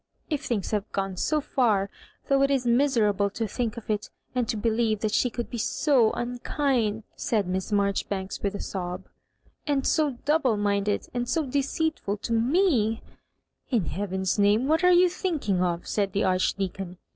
If things have gone so far, though it is miserable to think of it, and to believe that she could be so unkind," said Miss Marjoribanks, with a sob, "and so double minded, and so deceitful to me " '•In heaven's name what are yoa thinking of ?^ said the Archdeacon.